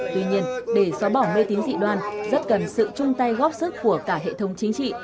tuy nhiên để xóa bỏ mê tín dị đoan rất cần sự chung tay góp sức của cả hệ thống chính trị